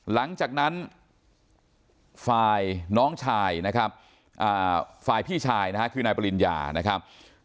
หลังจากนั้นฝ่ายน้องชายนะครับฝ่ายพี่ชายนะฮะคือนายปริญญานะครับ